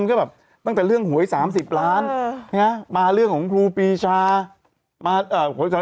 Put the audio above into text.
ก็แบบตั้งแต่เรื่องหวยสามสิบล้านมาเรื่องของครูปีชามาเอ่อ